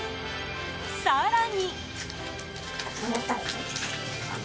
更に。